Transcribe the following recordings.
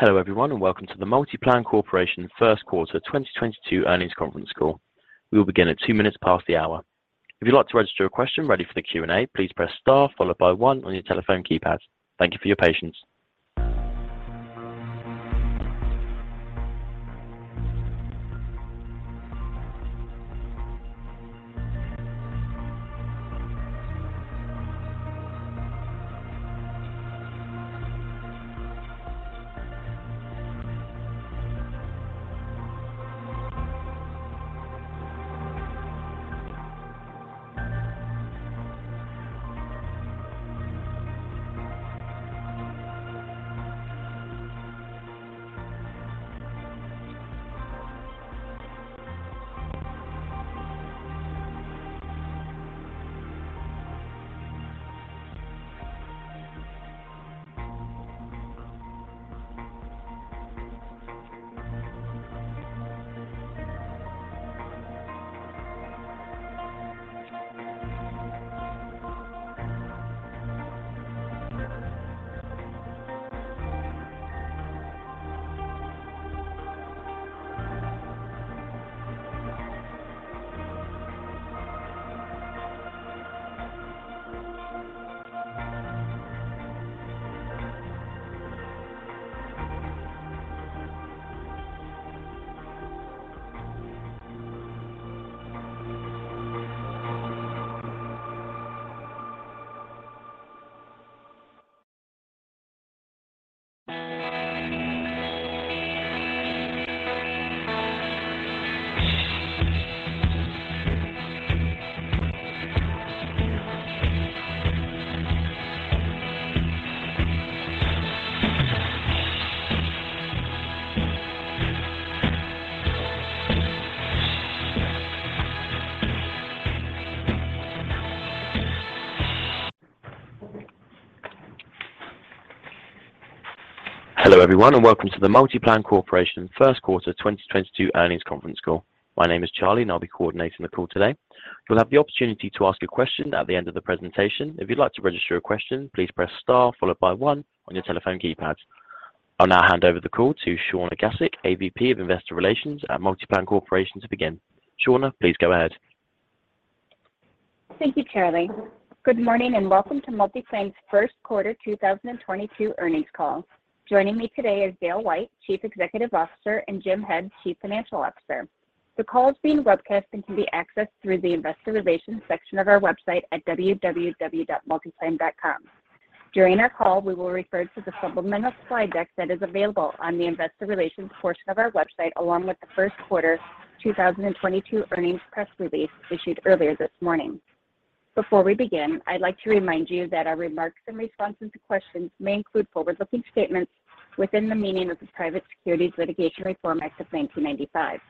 Hello, everyone, and welcome to the MultiPlan Corporation first quarter 2022 earnings conference call. We will begin at two minutes past the hour. If you'd like to register a question ready for the Q&A, please press star followed by one on your telephone keypad. Thank you for your patience. Hello, everyone, and welcome to the MultiPlan Corporation first quarter 2022 earnings conference call. My name is Charlie, and I'll be coordinating the call today. You'll have the opportunity to ask a question at the end of the presentation. If you'd like to register a question, please press star followed by one on your telephone keypad. I'll now hand over the call to Shawna Gasik, AVP of Investor Relations at MultiPlan Corporation to begin. Shawna, please go ahead. Thank you, Charlie. Good morning and welcome to MultiPlan's first quarter 2022 earnings call. Joining me today is Dale White, Chief Executive Officer, and Jim Head, Chief Financial Officer. The call is being webcast and can be accessed through the investor relations section of our website at www.multiplan.com. During our call, we will refer to the supplemental slide deck that is available on the investor relations portion of our website, along with the first quarter 2022 earnings press release issued earlier this morning. Before we begin, I'd like to remind you that our remarks and responses to questions may include forward-looking statements within the meaning of the Private Securities Litigation Reform Act of 1995.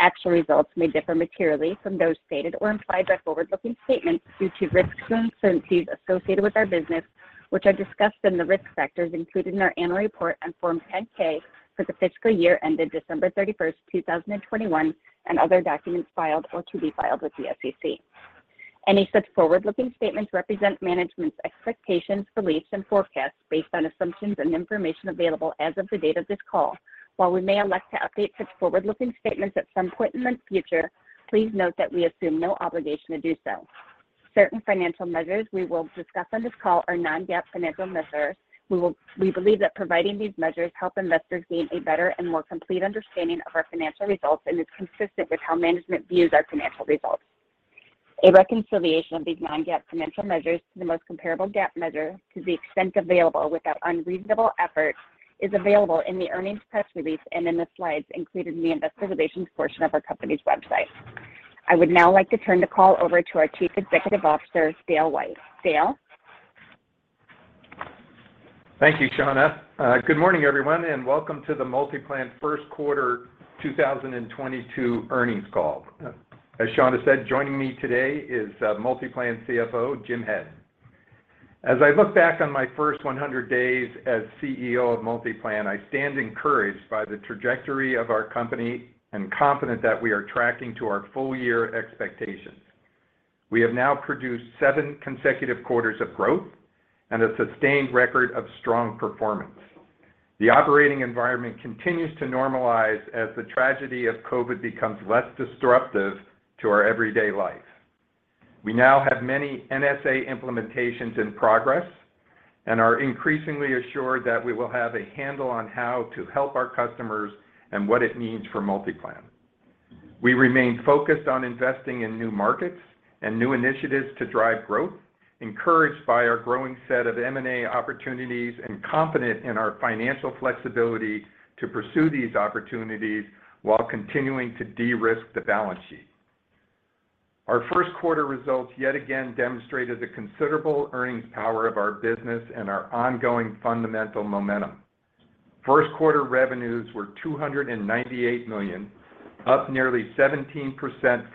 Actual results may differ materially from those stated or implied by forward-looking statements due to risks and uncertainties associated with our business, which are discussed in the risk factors included in our annual report and Form 10-K for the fiscal year ended December 31st, 2021, and other documents filed or to be filed with the SEC. Any such forward-looking statements represent management's expectations, beliefs, and forecasts based on assumptions and information available as of the date of this call. While we may elect to update such forward-looking statements at some point in the future, please note that we assume no obligation to do so. Certain financial measures we will discuss on this call are non-GAAP financial measures. We believe that providing these measures help investors gain a better and more complete understanding of our financial results and is consistent with how management views our financial results. A reconciliation of these non-GAAP financial measures to the most comparable GAAP measure, to the extent available without unreasonable effort, is available in the earnings press release and in the slides included in the investor relations portion of our company's website. I would now like to turn the call over to our Chief Executive Officer, Dale White. Dale? Thank you, Shawna. Good morning, everyone, and welcome to the MultiPlan first quarter 2022 earnings call. As Shawna said, joining me today is MultiPlan CFO, Jim Head. As I look back on my first 100 days as CEO of MultiPlan, I stand encouraged by the trajectory of our company and confident that we are tracking to our full-year expectations. We have now produced seven consecutive quarters of growth and a sustained record of strong performance. The operating environment continues to normalize as the tragedy of COVID becomes less disruptive to our everyday life. We now have many NSA implementations in progress and are increasingly assured that we will have a handle on how to help our customers and what it means for MultiPlan. We remain focused on investing in new markets and new initiatives to drive growth, encouraged by our growing set of M&A opportunities and confident in our financial flexibility to pursue these opportunities while continuing to de-risk the balance sheet. Our first quarter results yet again demonstrated the considerable earnings power of our business and our ongoing fundamental momentum. First quarter revenues were $298 million, up nearly 17%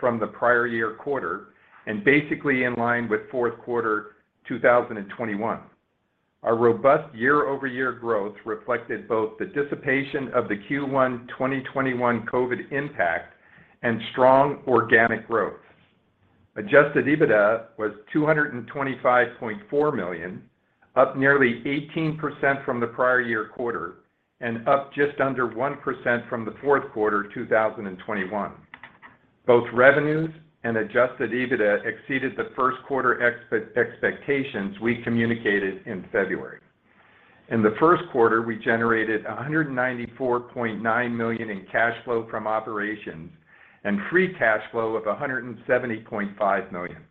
from the prior year quarter and basically in line with fourth quarter 2021. Our robust year-over-year growth reflected both the dissipation of the Q1 2021 COVID impact and strong organic growth. Adjusted EBITDA was $225.4 million, up nearly 18% from the prior year quarter and up just under 1% from the fourth quarter 2021. Both revenues and adjusted EBITDA exceeded the first quarter expectations we communicated in February. In the first quarter, we generated $194.9 million in cash flow from operations and free cash flow of $170.5 million.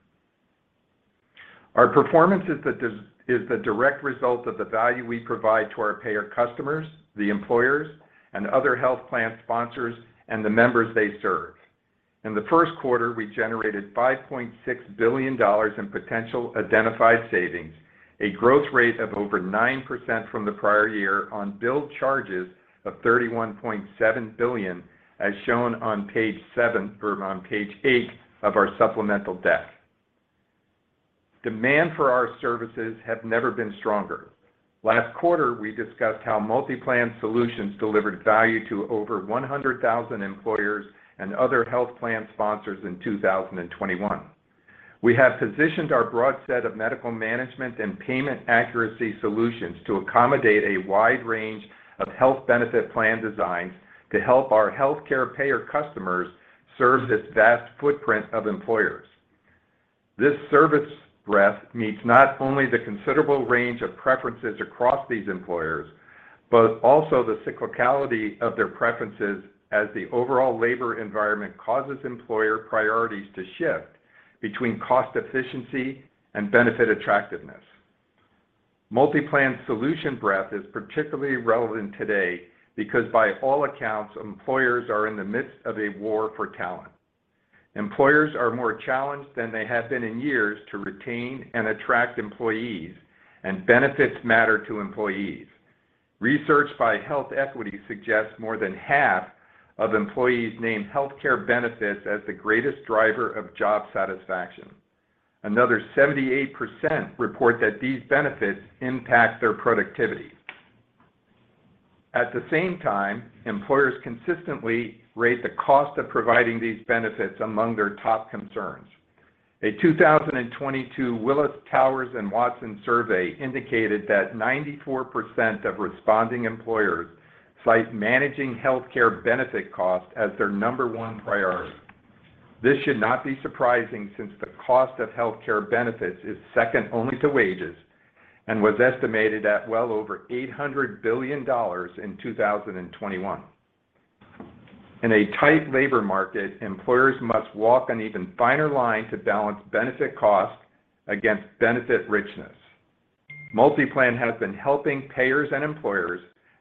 Our performance is the direct result of the value we provide to our payer customers, the employers and other health plan sponsors, and the members they serve. In the first quarter, we generated $5.6 billion in potential identified savings, a growth rate of over 9% from the prior year on billed charges of $31.7 billion, as shown on page seven or on page eight of our supplemental deck. Demand for our services have never been stronger. Last quarter, we discussed how MultiPlan's solutions delivered value to over 100,000 employers and other health plan sponsors in 2021. We have positioned our broad set of medical management and payment accuracy solutions to accommodate a wide range of health benefit plan designs to help our healthcare payer customers serve this vast footprint of employers. This service breadth meets not only the considerable range of preferences across these employers, but also the cyclicality of their preferences as the overall labor environment causes employer priorities to shift between cost efficiency and benefit attractiveness. MultiPlan's solution breadth is particularly relevant today because by all accounts, employers are in the midst of a war for talent. Employers are more challenged than they have been in years to retain and attract employees, and benefits matter to employees. Research by HealthEquity suggests more than half of employees name healthcare benefits as the greatest driver of job satisfaction. Another 78% report that these benefits impact their productivity. At the same time, employers consistently rate the cost of providing these benefits among their top concerns. A 2022 Willis Towers Watson survey indicated that 94% of responding employers cite managing healthcare benefit costs as their number one priority. This should not be surprising, since the cost of healthcare benefits is second only to wages and was estimated at well over $800 billion in 2021. In a tight labor market, employers must walk an even finer line to balance benefit cost against benefit richness. MultiPlan has been helping payers and employers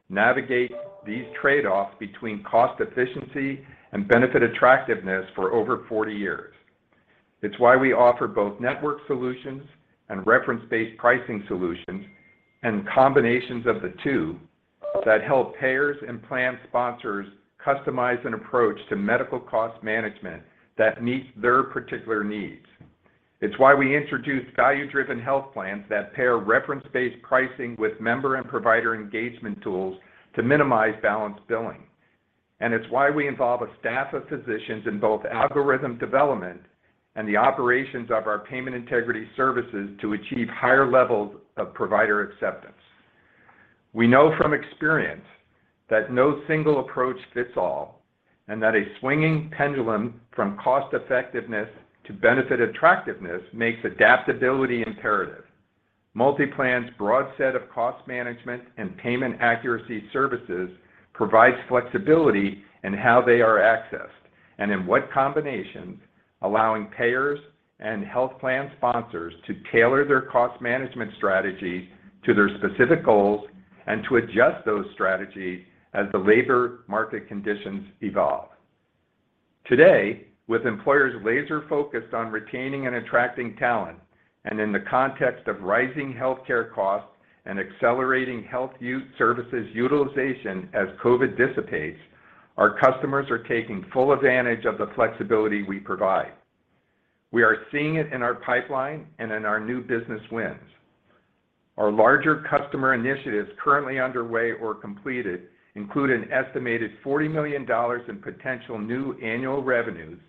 navigate these trade-offs between cost efficiency and benefit attractiveness for over 40 years. It's why we offer both network solutions and reference-based pricing solutions and combinations of the two that help payers and plan sponsors customize an approach to medical cost management that meets their particular needs. It's why we introduced value-driven health plans that pair reference-based pricing with member and provider engagement tools to minimize balance billing. It's why we involve a staff of physicians in both algorithm development and the operations of our payment integrity services to achieve higher levels of provider acceptance. We know from experience that no single approach fits all, and that a swinging pendulum from cost effectiveness to benefit attractiveness makes adaptability imperative. MultiPlan's broad set of cost management and payment accuracy services provides flexibility in how they are accessed and in what combinations, allowing payers and health plan sponsors to tailor their cost management strategy to their specific goals and to adjust those strategies as the labor market conditions evolve. Today, with employers laser-focused on retaining and attracting talent, and in the context of rising healthcare costs and accelerating healthcare services utilization as COVID dissipates, our customers are taking full advantage of the flexibility we provide. We are seeing it in our pipeline and in our new business wins. Our larger customer initiatives currently underway or completed include an estimated $40 million in potential new annual revenues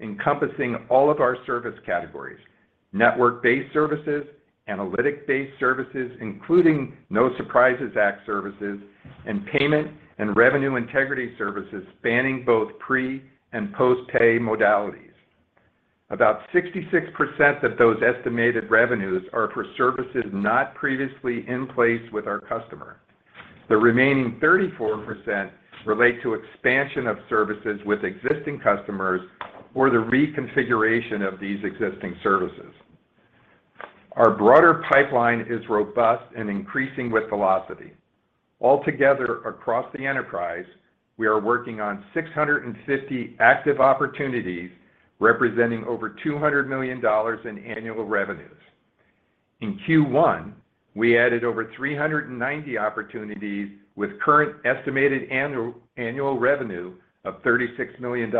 encompassing all of our service categories, network-based services, analytics-based services, including No Surprises Act services, and payment and revenue integrity services spanning both pre- and post-pay modalities. About 66% of those estimated revenues are for services not previously in place with our customer. The remaining 34% relate to expansion of services with existing customers or the reconfiguration of these existing services. Our broader pipeline is robust and increasing with velocity. Altogether, across the enterprise, we are working on 650 active opportunities representing over $200 million in annual revenues. In Q1, we added over 390 opportunities with current estimated annual revenue of $36 million.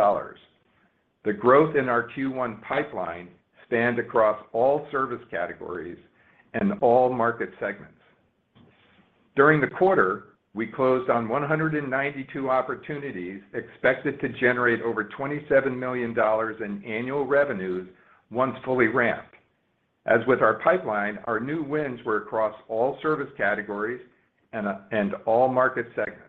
The growth in our Q1 pipeline spanned across all service categories and all market segments. During the quarter, we closed on 192 opportunities expected to generate over $27 million in annual revenues once fully ramped. As with our pipeline, our new wins were across all service categories and all market segments.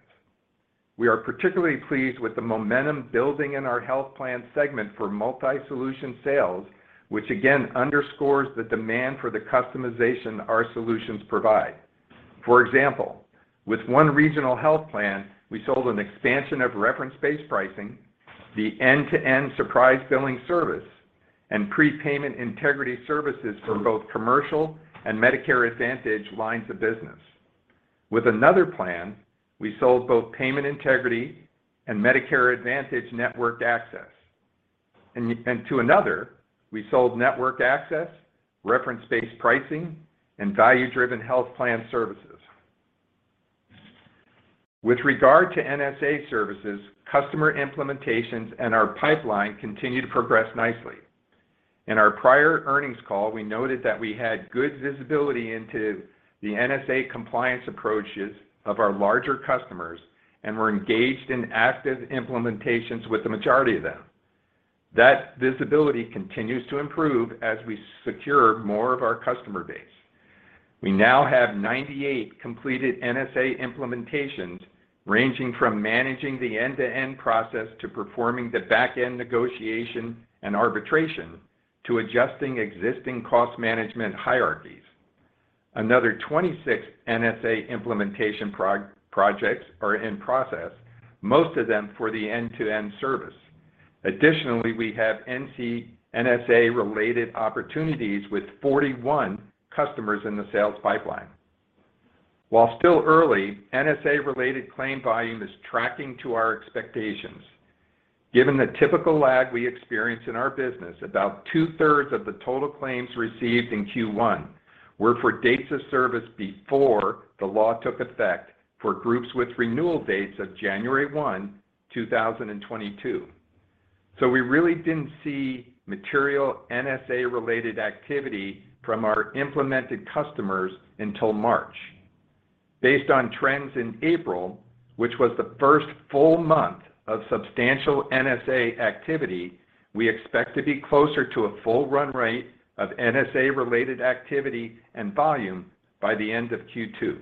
We are particularly pleased with the momentum building in our health plan segment for multi-solution sales, which again underscores the demand for the customization our solutions provide. For example, with one regional health plan, we sold an expansion of reference-based pricing, the end-to-end surprise billing service, and prepayment integrity services for both commercial and Medicare Advantage lines of business. With another plan, we sold both payment integrity and Medicare Advantage network access. To another, we sold network access, reference-based pricing, and value-driven health plan services. With regard to NSA services, customer implementations in our pipeline continue to progress nicely. In our prior earnings call, we noted that we had good visibility into the NSA compliance approaches of our larger customers and were engaged in active implementations with the majority of them. That visibility continues to improve as we secure more of our customer base. We now have 98 completed NSA implementations ranging from managing the end-to-end process to performing the back-end negotiation and arbitration to adjusting existing cost management hierarchies. Another 26 NSA implementation projects are in process, most of them for the end-to-end service. Additionally, we have an NSA related opportunities with 41 customers in the sales pipeline. While still early, NSA related claim volume is tracking to our expectations. Given the typical lag we experience in our business, about 2/3 of the total claims received in Q1 were for dates of service before the law took effect for groups with renewal dates of January 1, 2022. We really didn't see material NSA related activity from our implemented customers until March. Based on trends in April, which was the first full month of substantial NSA activity, we expect to be closer to a full run rate of NSA related activity and volume by the end of Q2.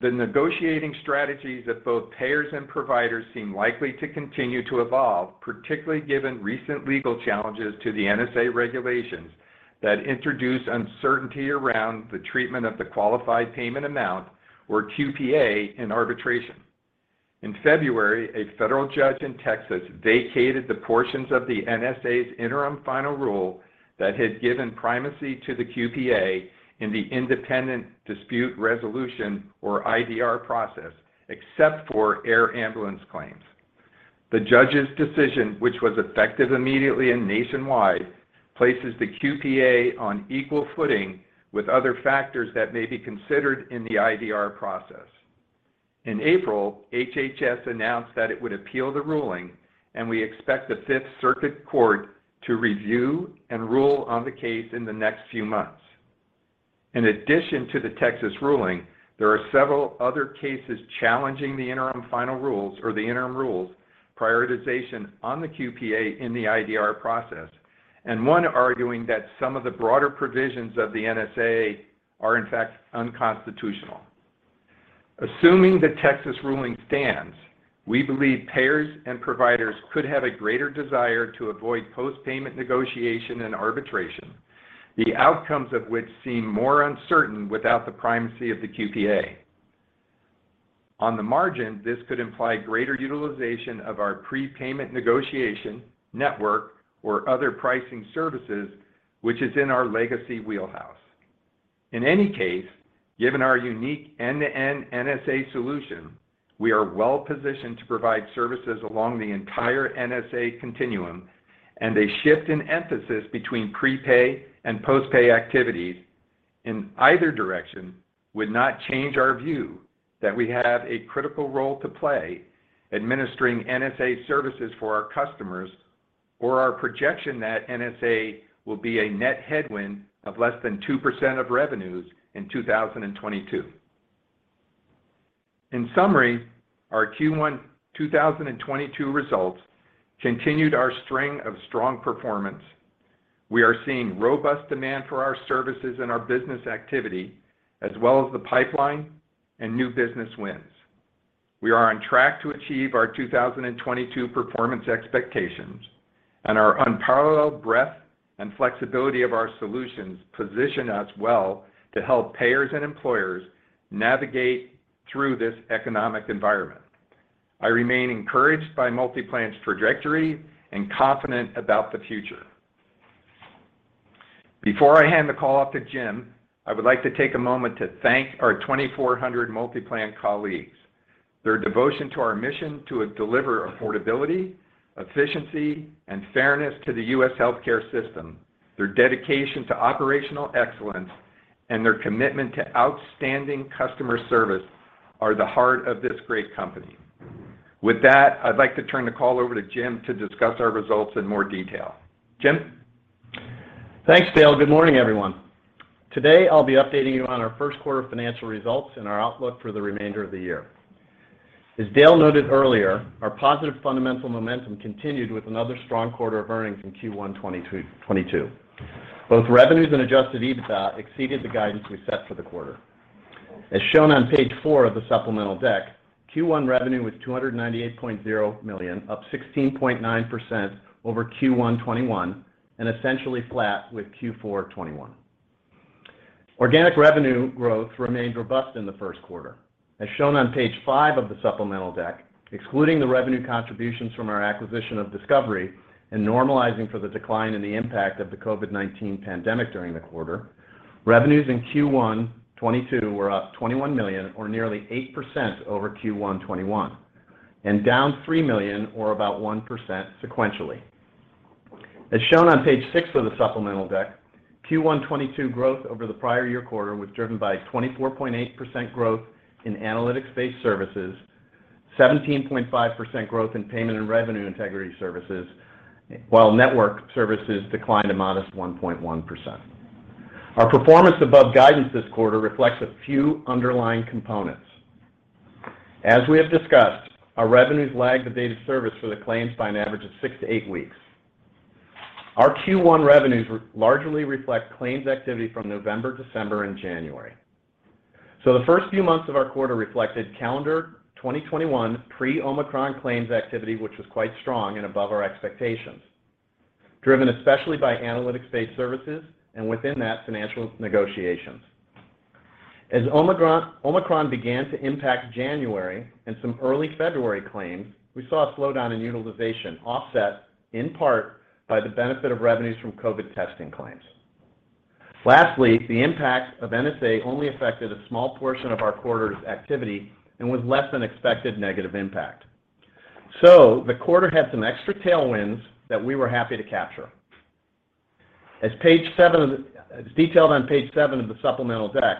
The negotiating strategies of both payers and providers seem likely to continue to evolve, particularly given recent legal challenges to the NSA regulations that introduce uncertainty around the treatment of the qualified payment amount or QPA in arbitration. In February, a federal judge in Texas vacated the portions of the NSA's interim final rule that had given primacy to the QPA in the independent dispute resolution or IDR process, except for air ambulance claims. The judge's decision, which was effective immediately and nationwide, places the QPA on equal footing with other factors that may be considered in the IDR process. In April, HHS announced that it would appeal the ruling, and we expect the Fifth Circuit Court of Appeals to review and rule on the case in the next few months. In addition to the Texas ruling, there are several other cases challenging the interim final rules or the interim rules, prioritization on the QPA in the IDR process, and one arguing that some of the broader provisions of the NSA are in fact unconstitutional. Assuming the Texas ruling stands, we believe payers and providers could have a greater desire to avoid post-payment negotiation and arbitration, the outcomes of which seem more uncertain without the primacy of the QPA. On the margin, this could imply greater utilization of our prepayment negotiation network or other pricing services, which is in our legacy wheelhouse. In any case, given our unique end-to-end NSA solution, we are well-positioned to provide services along the entire NSA continuum, and a shift in emphasis between prepay and post-pay activities in either direction would not change our view that we have a critical role to play administering NSA services for our customers or our projection that NSA will be a net headwind of less than 2% of revenues in 2022. In summary, our Q1 2022 results continued our string of strong performance. We are seeing robust demand for our services and our business activity, as well as the pipeline and new business wins. We are on track to achieve our 2022 performance expectations, and our unparalleled breadth and flexibility of our solutions position us well to help payers and employers navigate through this economic environment. I remain encouraged by MultiPlan's trajectory and confident about the future. Before I hand the call off to Jim, I would like to take a moment to thank our 2,400 MultiPlan colleagues. Their devotion to our mission to deliver affordability, efficiency, and fairness to the U.S. healthcare system, their dedication to operational excellence, and their commitment to outstanding customer service are the heart of this great company. With that, I'd like to turn the call over to Jim to discuss our results in more detail. Jim? Thanks, Dale. Good morning, everyone. Today, I'll be updating you on our first quarter financial results and our outlook for the remainder of the year. As Dale noted earlier, our positive fundamental momentum continued with another strong quarter of earnings in Q1 2022. Both revenues and adjusted EBITDA exceeded the guidance we set for the quarter. As shown on page four of the supplemental deck, Q1 revenue was $298.0 million, up 16.9% over Q1 2021, and essentially flat with Q4 2021. Organic revenue growth remained robust in the first quarter. As shown on page five of the supplemental deck, excluding the revenue contributions from our acquisition of Discovery and normalizing for the decline in the impact of the COVID-19 pandemic during the quarter, revenues in Q1 2022 were up $21 million or nearly 8% over Q1 2021, and down $3 million or about 1% sequentially. As shown on page six of the supplemental deck, Q1 2022 growth over the prior year quarter was driven by a 24.8% growth in analytics-based services, 17.5% growth in payment and revenue integrity services, while network services declined a modest 1.1%. Our performance above guidance this quarter reflects a few underlying components. As we have discussed, our revenues lag the date of service for the claims by an average of six to eight weeks. Our Q1 revenues largely reflect claims activity from November, December, and January. The first few months of our quarter reflected calendar 2021 pre-Omicron claims activity, which was quite strong and above our expectations, driven especially by analytics-based services, and within that, financial negotiations. As Omicron began to impact January and some early February claims, we saw a slowdown in utilization offset, in part, by the benefit of revenues from COVID testing claims. Lastly, the impact of NSA only affected a small portion of our quarter's activity and was less than expected negative impact. The quarter had some extra tailwinds that we were happy to capture. As detailed on page seven of the supplemental deck,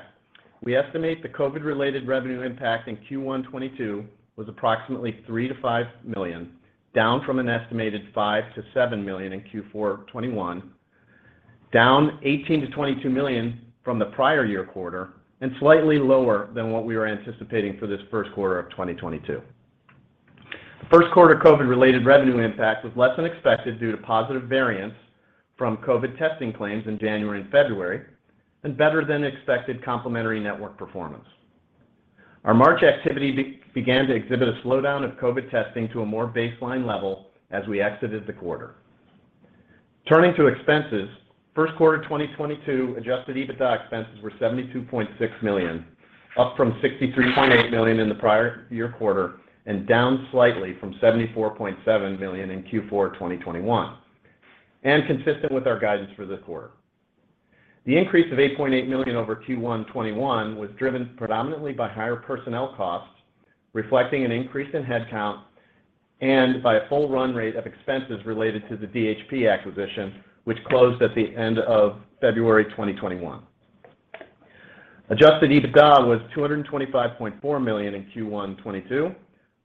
we estimate the COVID-related revenue impact in Q1 2022 was approximately $3 million-$5 million, down from an estimated $5 million-$7 million in Q4 2021, down $18 million-$22 million from the prior year quarter, and slightly lower than what we were anticipating for this first quarter of 2022. The first quarter COVID-related revenue impact was less than expected due to positive variance from COVID testing claims in January and February, and better than expected complementary network performance. Our March activity began to exhibit a slowdown of COVID testing to a more baseline level as we exited the quarter. Turning to expenses, first quarter 2022 adjusted EBITDA expenses were $72.6 million, up from $63.8 million in the prior year quarter, and down slightly from $74.7 million in Q4 2021, and consistent with our guidance for this quarter. The increase of $8.8 million over Q1 2021 was driven predominantly by higher personnel costs, reflecting an increase in headcount and by a full run rate of expenses related to the DHP acquisition, which closed at the end of February 2021. Adjusted EBITDA was $225.4 million in Q1 2022,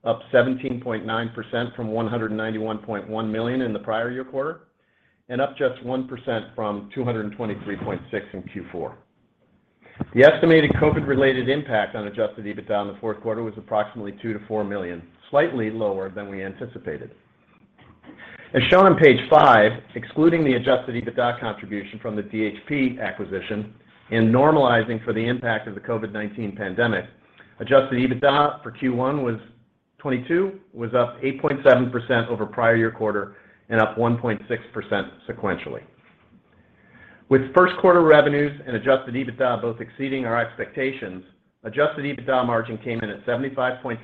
up 17.9% from $191.1 million in the prior year quarter, and up just 1% from $223.6 million in Q4. The estimated COVID-related impact on adjusted EBITDA in the fourth quarter was approximately $2 million-$4 million, slightly lower than we anticipated. As shown on page five, excluding the adjusted EBITDA contribution from the DHP acquisition and normalizing for the impact of the COVID-19 pandemic, adjusted EBITDA for Q1 2022 was up 8.7% over prior year quarter and up 1.6% sequentially. With first quarter revenues and adjusted EBITDA both exceeding our expectations, adjusted EBITDA margin came in at 75.6%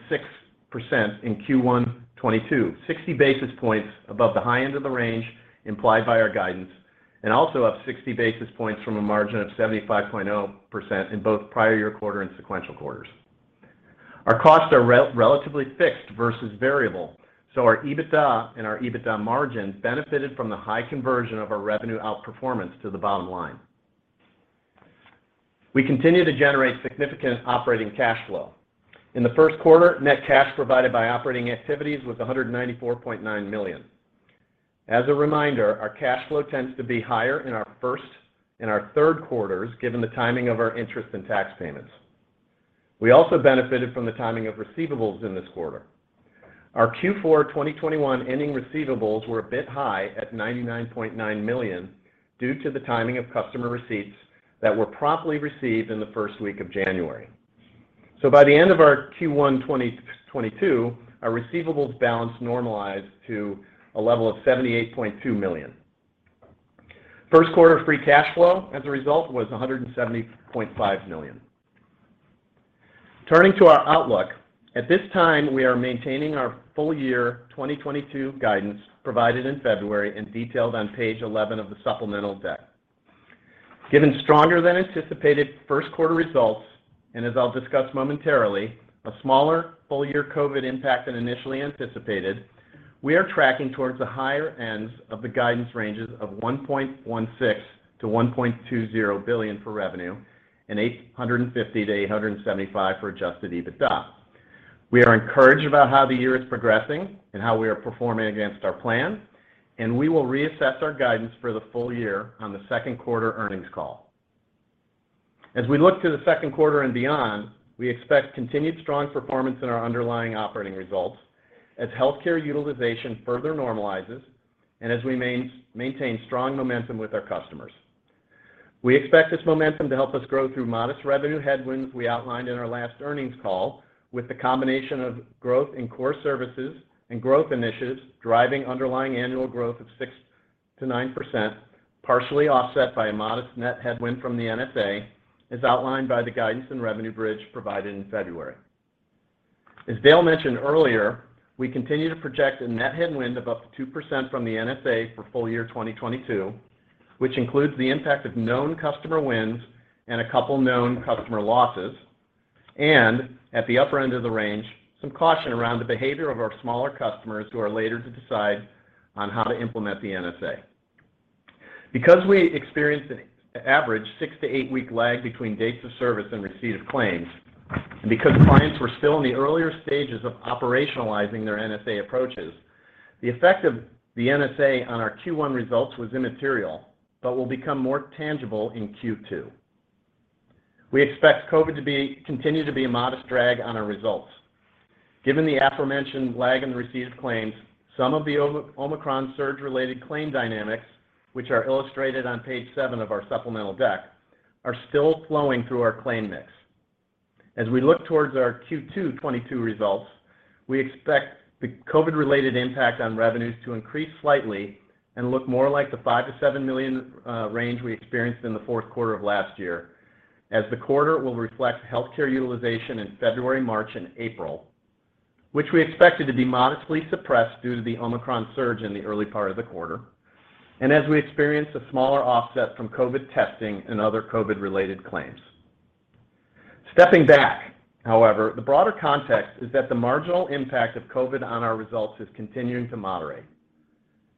in Q1 2022, 60 basis points above the high end of the range implied by our guidance, and also up 60 basis points from a margin of 75.0% in both prior year quarter and sequential quarters. Our costs are relatively fixed versus variable, so our EBITDA and our EBITDA margins benefited from the high conversion of our revenue outperformance to the bottom line. We continue to generate significant operating cash flow. In the first quarter, net cash provided by operating activities was $194.9 million. As a reminder, our cash flow tends to be higher in our first and our third quarters, given the timing of our interest and tax payments. We also benefited from the timing of receivables in this quarter. Our Q4 2021 ending receivables were a bit high at $99.9 million due to the timing of customer receipts that were promptly received in the first week of January. By the end of our Q1 2022, our receivables balance normalized to a level of $78.2 million. First quarter free cash flow, as a result, was $170.5 million. Turning to our outlook, at this time, we are maintaining our full year 2022 guidance provided in February and detailed on page 11 of the supplemental deck. Given stronger than anticipated first quarter results, and as I'll discuss momentarily, a smaller full-year COVID impact than initially anticipated, we are tracking towards the higher ends of the guidance ranges of $1.16 billion-$1.20 billion for revenue and $850 million-$875 million for adjusted EBITDA. We are encouraged about how the year is progressing and how we are performing against our plan, and we will reassess our guidance for the full year on the second quarter earnings call. As we look to the second quarter and beyond, we expect continued strong performance in our underlying operating results as healthcare utilization further normalizes and as we maintain strong momentum with our customers. We expect this momentum to help us grow through modest revenue headwinds we outlined in our last earnings call with the combination of growth in core services and growth initiatives, driving underlying annual growth of 6%-9%, partially offset by a modest net headwind from the NSA, as outlined by the guidance and revenue bridge provided in February. As Dale mentioned earlier, we continue to project a net headwind of up to 2% from the NSA for full year 2022, which includes the impact of known customer wins and a couple known customer losses. At the upper end of the range, some caution around the behavior of our smaller customers who are later to decide on how to implement the NSA. Because we experience an average six to eight week lag between dates of service and receipt of claims, and because clients were still in the earlier stages of operationalizing their NSA approaches, the effect of the NSA on our Q1 results was immaterial, but will become more tangible in Q2. We expect COVID to continue to be a modest drag on our results. Given the aforementioned lag in received claims, some of the Omicron surge-related claim dynamics, which are illustrated on page seven of our supplemental deck, are still flowing through our claim mix. As we look towards our Q2 2022 results, we expect the COVID related impact on revenues to increase slightly and look more like the $5 million-$7 million range we experienced in the fourth quarter of last year, as the quarter will reflect healthcare utilization in February, March, and April, which we expected to be modestly suppressed due to the Omicron surge in the early part of the quarter, and as we experience a smaller offset from COVID testing and other COVID related claims. Stepping back, however, the broader context is that the marginal impact of COVID on our results is continuing to moderate,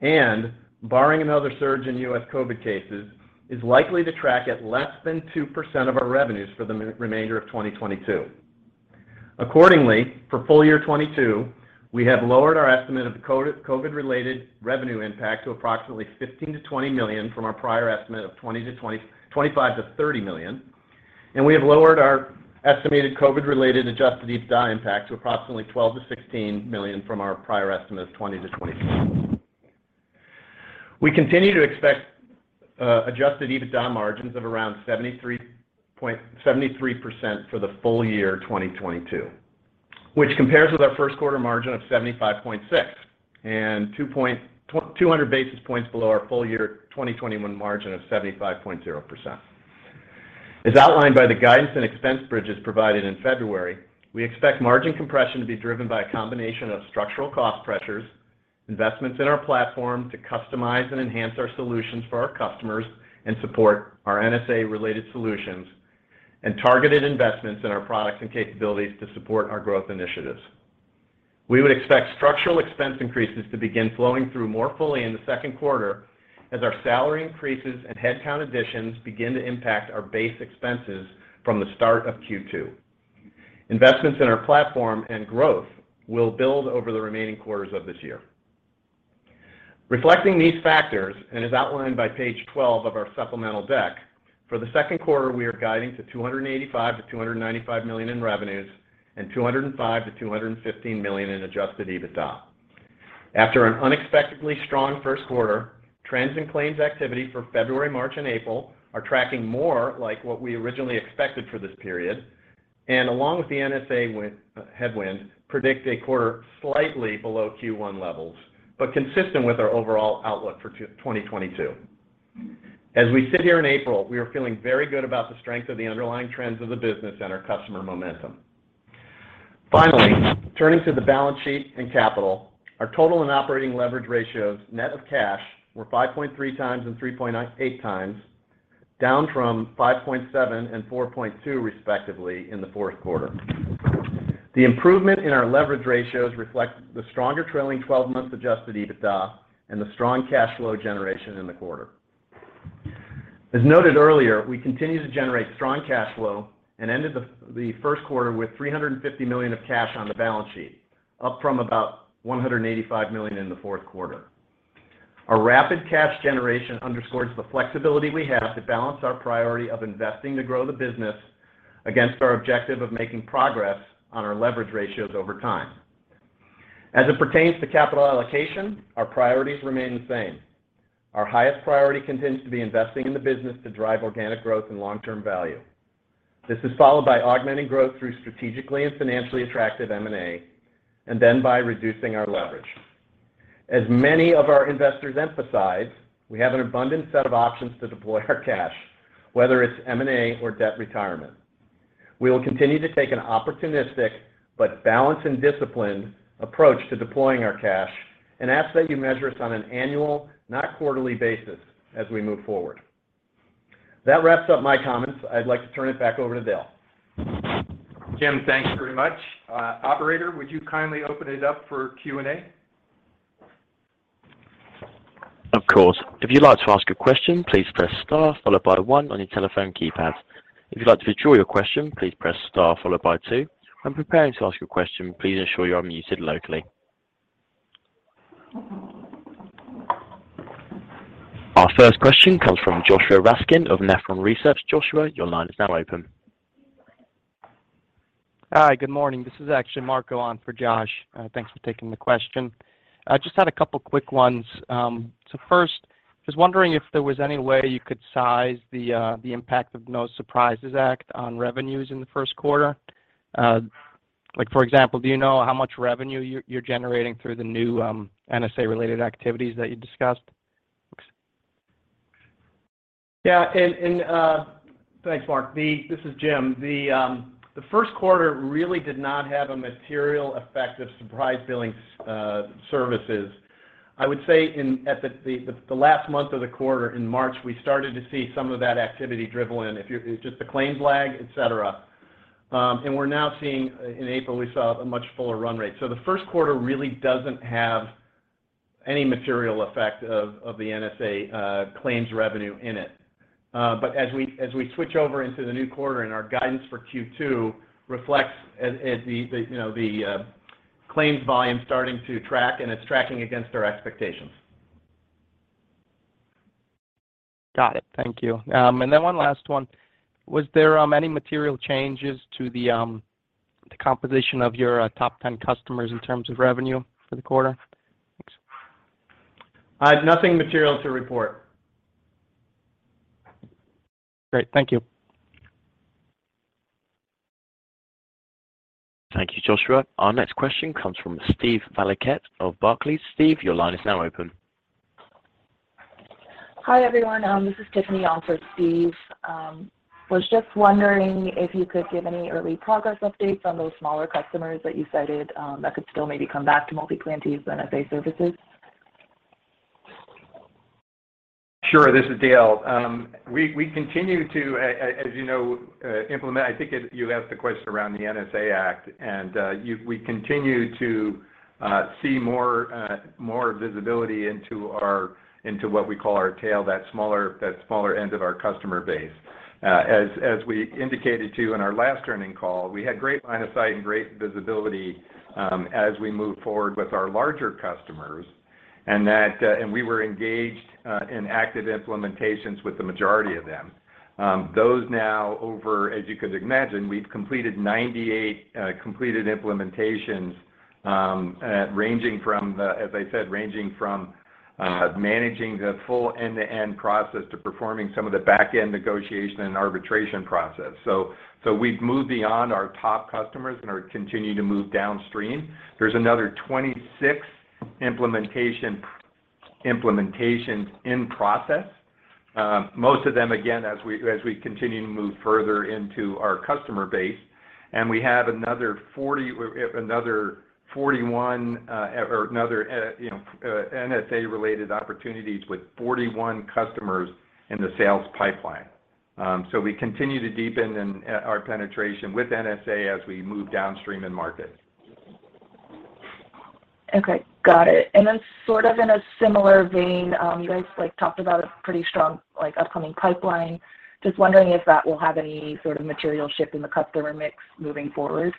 and barring another surge in U.S. COVID cases, is likely to track at less than 2% of our revenues for the remainder of 2022. Accordingly, for full year 2022, we have lowered our estimate of the COVID related revenue impact to approximately $15 million-$20 million from our prior estimate of $25 million-$30 million, and we have lowered our estimated COVID related adjusted EBITDA impact to approximately $12 million-$16 million from our prior estimate of $20 million-$22 million. We continue to expect adjusted EBITDA margins of around 73% for the full year 2022, which compares with our first quarter margin of 75.6% and 200 basis points below our full year 2021 margin of 75.0%. As outlined by the guidance and expense bridges provided in February, we expect margin compression to be driven by a combination of structural cost pressures, investments in our platform to customize and enhance our solutions for our customers and support our NSA related solutions, and targeted investments in our products and capabilities to support our growth initiatives. We would expect structural expense increases to begin flowing through more fully in the second quarter as our salary increases and headcount additions begin to impact our base expenses from the start of Q2. Investments in our platform and growth will build over the remaining quarters of this year. Reflecting these factors, and as outlined by page twelve of our supplemental deck, for the second quarter, we are guiding to $285 million-$295 million in revenues and $205 million-$215 million in adjusted EBITDA. After an unexpectedly strong first quarter, trends and claims activity for February, March, and April are tracking more like what we originally expected for this period. Along with the NSA headwind, predict a quarter slightly below Q1 levels, but consistent with our overall outlook for 2022. As we sit here in April, we are feeling very good about the strength of the underlying trends of the business and our customer momentum. Finally, turning to the balance sheet and capital, our total and operating leverage ratios net of cash were 5.3x and 3.8x, down from 5.7x and 4.2x respectively in the fourth quarter. The improvement in our leverage ratios reflect the stronger trailing 12-month adjusted EBITDA and the strong cash flow generation in the quarter. As noted earlier, we continue to generate strong cash flow and ended the first quarter with $350 million of cash on the balance sheet, up from about $185 million in the fourth quarter. Our rapid cash generation underscores the flexibility we have to balance our priority of investing to grow the business against our objective of making progress on our leverage ratios over time. As it pertains to capital allocation, our priorities remain the same. Our highest priority continues to be investing in the business to drive organic growth and long-term value. This is followed by augmenting growth through strategically and financially attractive M&A, and then by reducing our leverage. As many of our investors emphasize, we have an abundant set of options to deploy our cash, whether it's M&A or debt retirement. We will continue to take an opportunistic but balanced and disciplined approach to deploying our cash and ask that you measure us on an annual, not quarterly basis as we move forward. That wraps up my comments. I'd like to turn it back over to Dale. Jim, thank you very much. Operator, would you kindly open it up for Q&A? Of course. If you'd like to ask a question, please press star followed by one on your telephone keypad. If you'd like to withdraw your question, please press star followed by two. When preparing to ask your question, please ensure you're unmuted locally. Our first question comes from Joshua Raskin of Nephron Research. Joshua, your line is now open. Hi. Good morning. This is actually Mark on for Josh. Thanks for taking the question. I just had a couple quick ones. First, just wondering if there was any way you could size the impact of No Surprises Act on revenues in the first quarter. Like for example, do you know how much revenue you're generating through the new NSA related activities that you discussed? Yeah. Thanks, Mark. This is Jim. The first quarter really did not have a material effect of surprise billing services. I would say at the last month of the quarter in March, we started to see some of that activity dribble in. It's just a claims lag, et cetera. We're now seeing, in April, we saw a much fuller run rate. The first quarter really doesn't have any material effect of the NSA claims revenue in it. As we switch over into the new quarter and our guidance for Q2 reflects as the claims volume starting to track and it's tracking against our expectations. Got it. Thank you. One last one. Was there any material changes to the composition of your top 10 customers in terms of revenue for the quarter? Thanks. Nothing material to report. Great. Thank you. Thank you, Joshua. Our next question comes from Steve Valiquette of Barclays. Steve, your line is now open. Hi, everyone, this is Tiffany on for Steve. Was just wondering if you could give any early progress updates on those smaller customers that you cited, that could still maybe come back to MultiPlan's NSA services? Sure. This is Dale. We continue to, as you know, implement. I think you asked the question around the NSA Act, and we continue to see more visibility into what we call our tail, that smaller end of our customer base. As we indicated to you in our last earnings call, we had great line of sight and great visibility, as we moved forward with our larger customers, and we were engaged in active implementations with the majority of them. Those now, as you could imagine, we've completed 98 completed implementations, ranging from, as I said, managing the full end-to-end process to performing some of the back-end negotiation and arbitration process. We've moved beyond our top customers and are continuing to move downstream. There's another 26 implementations in process. Most of them, again, as we continue to move further into our customer base, and we have another 41 NSA related opportunities with 41 customers in the sales pipeline. You know, we continue to deepen our penetration with NSA as we move downstream in market. Okay, got it. Sort of in a similar vein, you guys, like, talked about a pretty strong, like, upcoming pipeline. Just wondering if that will have any sort of material shift in the customer mix moving forward.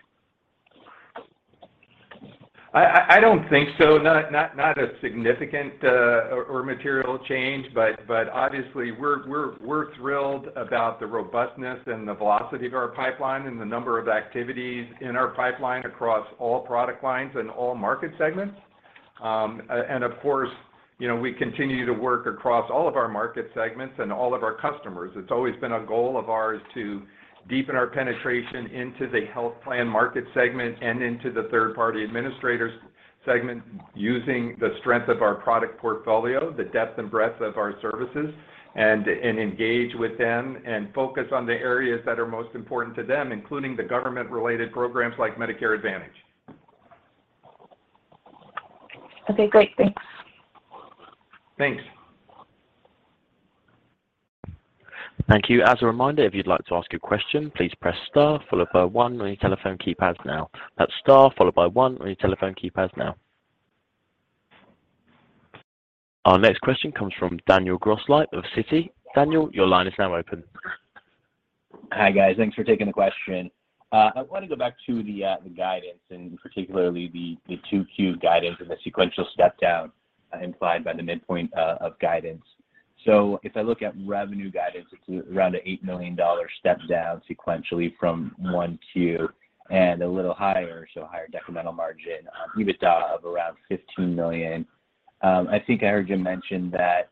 I don't think so. Not a significant or material change. Obviously, we're thrilled about the robustness and the velocity of our pipeline and the number of activities in our pipeline across all product lines and all market segments. And of course, you know, we continue to work across all of our market segments and all of our customers. It's always been a goal of ours to deepen our penetration into the health plan market segment and into the third-party administrators segment using the strength of our product portfolio, the depth and breadth of our services, and engage with them and focus on the areas that are most important to them, including the government related programs like Medicare Advantage. Okay, great. Thanks. Thanks. Thank you. As a reminder, if you'd like to ask a question, please press star followed by one on your telephone keypads now. That's star followed by one on your telephone keypads now. Our next question comes from Daniel Grosslight of Citi. Daniel, your line is now open. Hi, guys. Thanks for taking the question. I wanted to go back to the guidance and particularly the 2Q guidance and the sequential step down implied by the midpoint of guidance. If I look at revenue guidance, it's around an $8 million step down sequentially from 1Q and a little higher, so higher decremental margin, EBITDA of around $15 million. I think I heard you mention that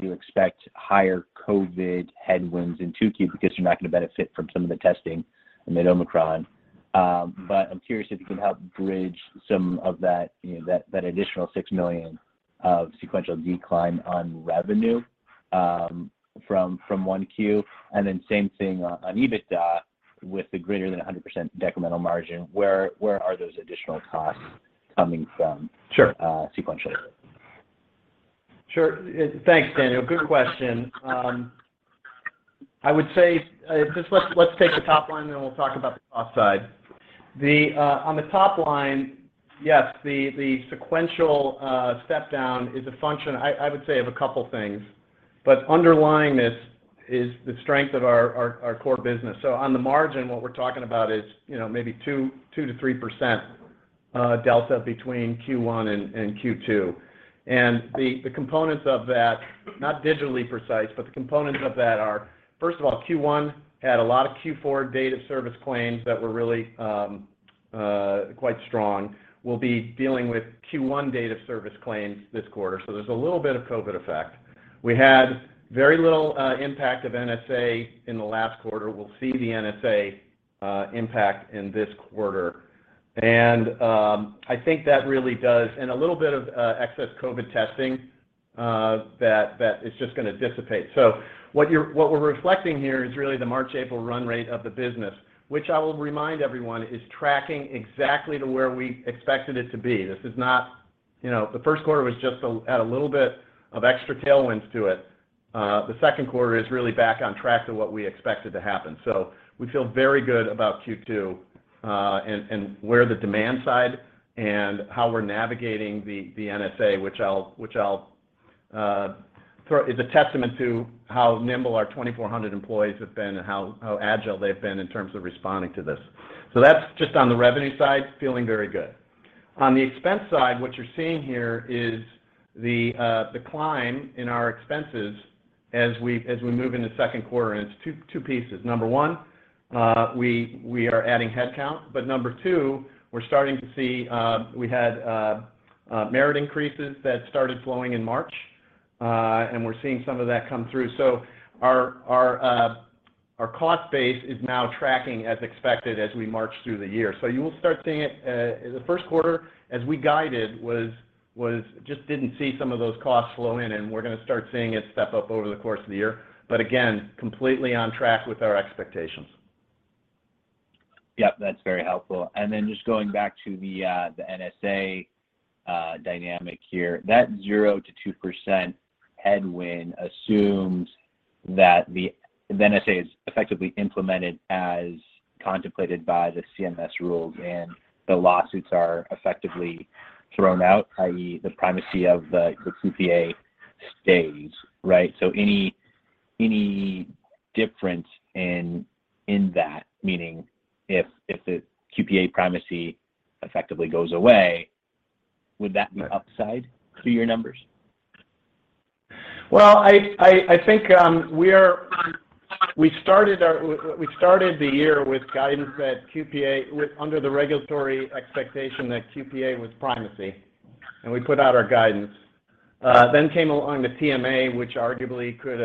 you expect higher COVID headwinds in 2Q because you're not going to benefit from some of the testing amid Omicron. I'm curious if you can help bridge some of that, you know, that additional $6 million of sequential decline on revenue from 1Q, and then same thing on EBITDA with the greater than 100% decremental margin. Where are those additional costs coming from? Sure. Sequentially? Sure. Thanks, Daniel. Good question. I would say, just let's take the top line, and then we'll talk about the cost side. On the top line, yes, the sequential step down is a function I would say of a couple things, but underlying this is the strength of our core business. On the margin, what we're talking about is, you know, maybe 2%-3% delta between Q1 and Q2. The components of that, not directionally precise, but the components of that are, first of all, Q1 had a lot of Q4 date of service claims that were really quite strong. We'll be dealing with Q1 date of service claims this quarter, so there's a little bit of COVID effect. We had very little impact of NSA in the last quarter. We'll see the NSA impact in this quarter. I think that really does a little bit of excess COVID testing that is just gonna dissipate. What we're reflecting here is really the March-April run rate of the business, which I will remind everyone is tracking exactly to where we expected it to be. This is not. The first quarter was just had a little bit of extra tailwinds to it. The second quarter is really back on track to what we expected to happen. We feel very good about Q2 and where the demand side and how we're navigating the NSA. It's a testament to how nimble our 2,400 employees have been and how agile they've been in terms of responding to this. That's just on the revenue side, feeling very good. On the expense side, what you're seeing here is the decline in our expenses as we move into second quarter, and it's two pieces. Number one, we are adding headcount, but number two, we're starting to see we had merit increases that started flowing in March, and we're seeing some of that come through. Our cost base is now tracking as expected as we march through the year. You will start seeing it in the first quarter, as we guided, was just didn't see some of those costs flow in, and we're gonna start seeing it step up over the course of the year. Again, completely on track with our expectations. Yep, that's very helpful. Just going back to the NSA dynamic here. That 0%-2% headwind assumes that the NSA is effectively implemented as contemplated by the CMS rules, and the lawsuits are effectively thrown out, i.e., the primacy of the QPA stays, right? Any difference in that, meaning if the QPA primacy effectively goes away, would that be upside to your numbers? I think we started the year with guidance under the regulatory expectation that QPA was primacy, and we put out our guidance. Then came along the TMA, which arguably could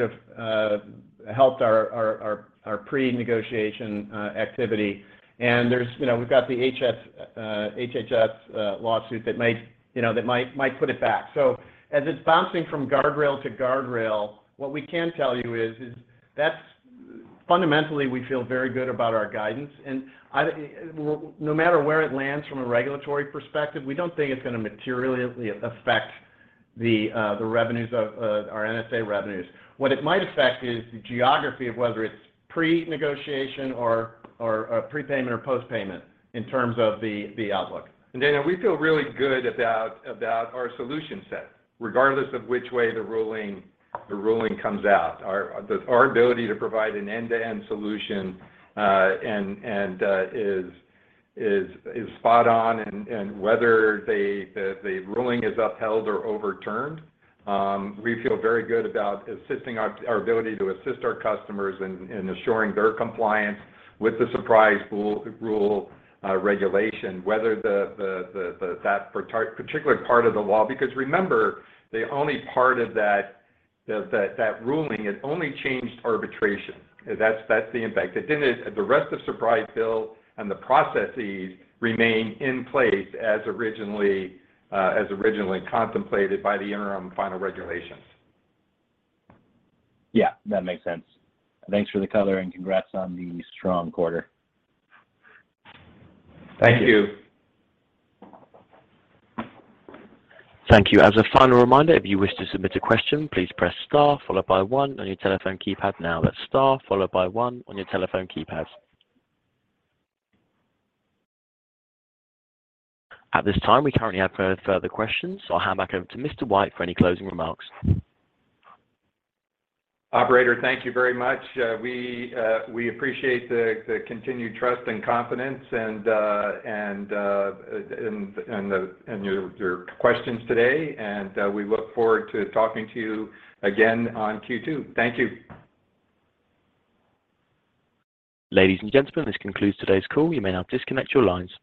have helped our pre-negotiation activity. There's, you know, we've got the HHS lawsuit that might, you know, put it back. As it's bouncing from guardrail to guardrail, what we can tell you is that's fundamentally we feel very good about our guidance. No matter where it lands from a regulatory perspective, we don't think it's gonna materially affect the revenues of our NSA revenues. What it might affect is the geography of whether it's pre-negotiation or prepayment or post-payment in terms of the outlook. Daniel, we feel really good about our solution set, regardless of which way the ruling comes out. Our ability to provide an end-to-end solution is spot on and whether the ruling is upheld or overturned, we feel very good about our ability to assist our customers in ensuring their compliance with the No Surprises Act, whether that particular part of the law. Because remember, the only part of that ruling it only changed arbitration. That's the impact. It didn't. The rest of the No Surprises Act and the processes remain in place as originally contemplated by the interim final regulations. Yeah, that makes sense. Thanks for the color and congrats on the strong quarter. Thank you. Thank you. As a final reminder, if you wish to submit a question, please press star followed by one on your telephone keypad now. That's star followed by one on your telephone keypad. At this time, we currently have no further questions. I'll hand back over to Mr. White for any closing remarks. Operator, thank you very much. We appreciate the continued trust and confidence and your questions today. We look forward to talking to you again on Q2. Thank you. Ladies and gentlemen, this concludes today's call. You may now disconnect your lines.